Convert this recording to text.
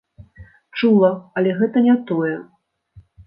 Чула, але гэта не тое.